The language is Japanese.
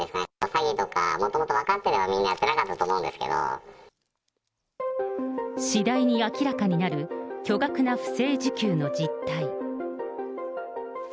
詐欺とか、もともと分かっていればみんなやってなかったと思うん次第に明らかになる、巨額な不正受給の実態。